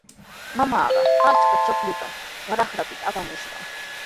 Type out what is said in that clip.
Mamaaqa achka chuqllutami raqrapita apamushqa.